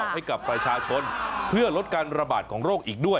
ให้กับประชาชนเพื่อลดการระบาดของโรคอีกด้วย